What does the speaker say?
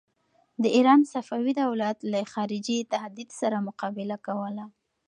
د ایران صفوي دولت له خارجي تهدید سره مقابله کوله.